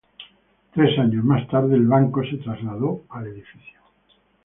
Tres años más tarde el banco se trasladó al edificio.